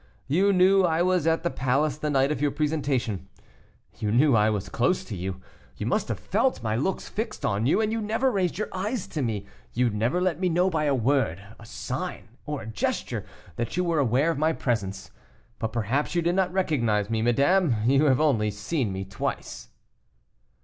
You knew I was at the palace the night of your presentation, you knew I was close to you, you must have felt my looks fixed on you, and you never raised your eyes to me, you never let me know by a word, a sign, or a gesture, that you were aware of my presence; but perhaps you did not recognize me, madame, you have only seen me twice."